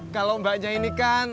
kalau mbaknya ini kan